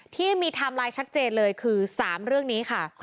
ไทม์ไลน์ชัดเจนเลยคือ๓เรื่องนี้ค่ะ